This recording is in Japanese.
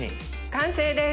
完成です！